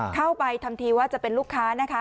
เข้าไปทำทีว่าจะเป็นลูกค้านะคะ